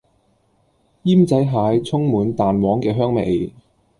奄仔蟹充滿蛋黃嘅香味